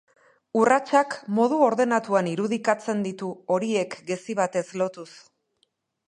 Urratsak modu ordenatuan irudikatzen ditu, horiek gezi batez lotuz.